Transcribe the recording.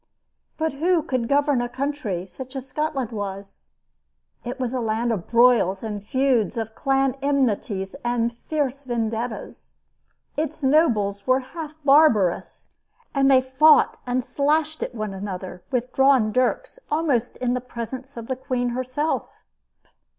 But who could govern a country such as Scotland was? It was a land of broils and feuds, of clan enmities and fierce vendettas. Its nobles were half barbarous, and they fought and slashed at one another with drawn dirks almost in the presence of the queen herself.